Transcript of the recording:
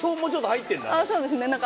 そうですね。